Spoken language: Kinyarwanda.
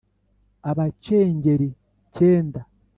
abacengeli cyenda